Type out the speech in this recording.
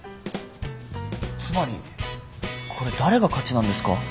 つまりこれ誰が勝ちなんですか？